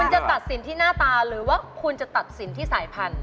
คุณจะตัดสินที่หน้าตาหรือว่าคุณจะตัดสินที่สายพันธุ